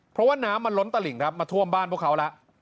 เพราะว่าน้ำมันล้นตลิ่งครับมาท่วมบ้านพวกเขาแล้ว